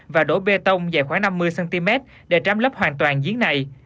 và đổ bê tông dài khoảng năm mươi cm để trám lấp hoàn toàn giếng này